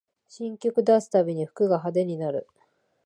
新曲出すたびに服が派手になる